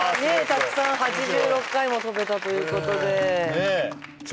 たくさん８６回も飛べたということで